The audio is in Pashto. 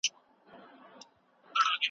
هر څوک چي د ايمان په حالت کي صالح عمل وکړي.